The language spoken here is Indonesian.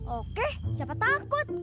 oke siapa takut